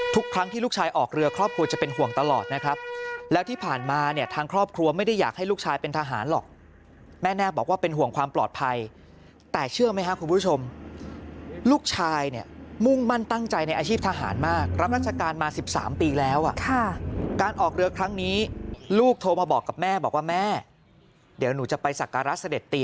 ทุกครั้งที่ลูกชายออกเรือครอบครัวจะเป็นห่วงตลอดนะครับแล้วที่ผ่านมาเนี่ยทางครอบครัวไม่ได้อยากให้ลูกชายเป็นทหารหรอกแม่แน่บอกว่าเป็นห่วงความปลอดภัยแต่เชื่อไหมครับคุณผู้ชมลูกชายเนี่ยมุ่งมั่นตั้งใจในอาชีพทหารมากรับราชการมา๑๓ปีแล้วอ่ะค่ะการออกเรือครั้งนี้ลูกโทรมาบอกกับแม่บอกว่าแม่เดี๋ยวหนูจะไปสักการะเสด็